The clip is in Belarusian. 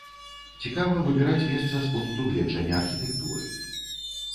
Цікава выбіраць месца з пункту гледжання архітэктуры.